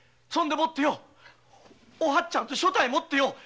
そんでもってよお初ちゃんと所帯をもってよ